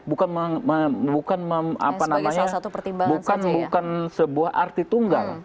bukan apa namanya bukan sebuah arti tunggal